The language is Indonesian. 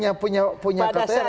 pada saat pengalaman di penjara